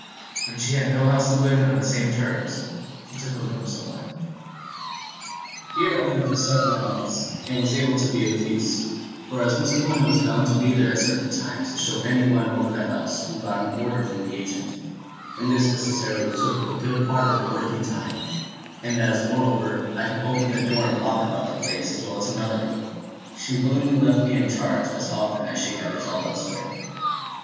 When she had no house to live in on the same terms, she took a room somewhere. "Here I lived for several months, and was able to be of use; for as Mrs. Conan was bound to be there at certain times to show any one over the house who brought an order from the agent, and this necessarily took up a good part of her working time; and as, moreover, I could open the door and walk about the place as well as another, she willingly left me in charge as often as she had a job elsewhere.